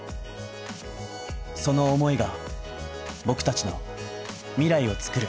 その思いが僕達の未来をつくる